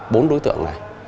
bốn đối tượng này